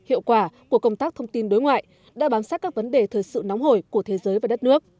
hiệu quả của công tác thông tin đối ngoại đã bám sát các vấn đề thời sự nóng hổi của thế giới và đất nước